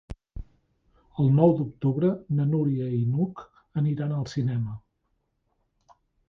El nou d'octubre na Núria i n'Hug aniran al cinema.